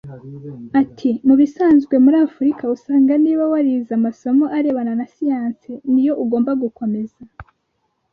Ati “Mu bisanzwe muri Afurika usanga niba warize amasomo arebana na siyansi niyo ugomba gukomeza